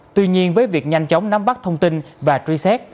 tuy nhiên với việc nhanh chóng nắm bắt thông tin và truy xét